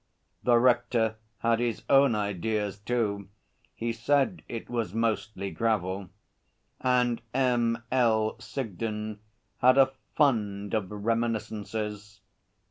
The Rector had his own ideas too (he said it was mostly gravel), and M.L. Sigden had a fund of reminiscences.